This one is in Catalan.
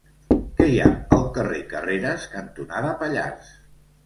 Què hi ha al carrer Carreras cantonada Pallars?